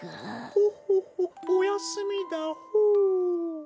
ホッホッホッおやすみだホー。